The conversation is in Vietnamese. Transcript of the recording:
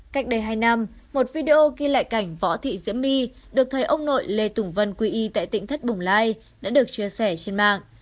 cách đây hai năm một video ghi lại cảnh võ thị diễm my được thầy ông nội lê tùng vân quỷ tại tỉnh thắt bồng lai đã được chia sẻ trên mạng